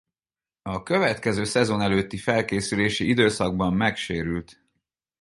A következő szezon előtti felkészülési időszakban megsérült.